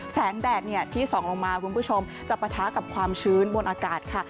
แดดที่ส่องลงมาคุณผู้ชมจะปะทะกับความชื้นบนอากาศค่ะ